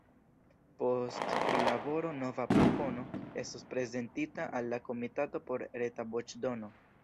Post prilaboro nova propono estos prezentita al la komitato por reta voĉdono.